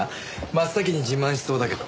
真っ先に自慢しそうだけど。